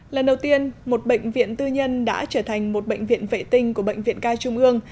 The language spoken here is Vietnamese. lần đầu tiên một bệnh viện tư nhân đã trở thành một bệnh viện vệ tinh của bệnh viện ca trung ương